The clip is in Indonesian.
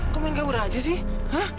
kamu main gaura aja sih